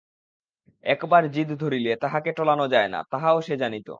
একবার জিদ ধরিলে তাহাকে টলানো যায় না, তাহাও সে জানিত।